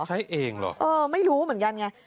ใช้เองเหรอเออไม่รู้เหมือนกันไง